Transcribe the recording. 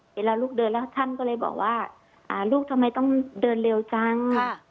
เวลาลูกเดินแล้วท่านก็เลยบอกว่าลูกทำไมต้องเดินเร็วจัง